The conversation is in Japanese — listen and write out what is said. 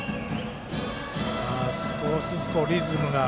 少しずつ、リズムが。